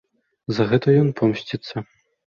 За гэта ён помсціцца.